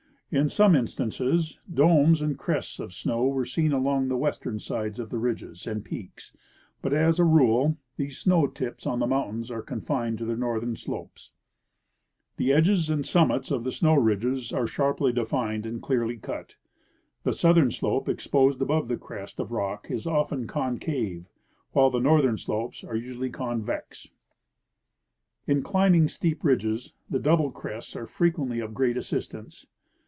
In some instances, domes and crests of snow were seen along the western sides of the ridges and peaks, but as a rule these snoAV tips on the moun tains are confined to their northern slopes. The edges and sum mits of the snow ridges are sharply defined and clearly cut. The southern slope exposed above the crest of rock is often con cave, while the northern slopes ai*e usually convex. In climbing steep ridges the double crests are frequently of great assistance.